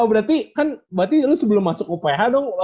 oh berarti kan berarti lu sebelum masuk uph dong